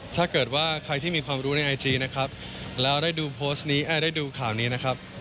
ถ้าเกิดว่าใครที่มีความรู้ในไอจีนะครับแล้วได้ดูข่าวนี้นะครับ